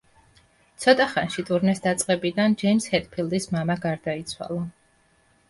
ცოტა ხანში ტურნეს დაწყებიდან ჯეიმზ ჰეტფილდის მამა გარდაიცვალა.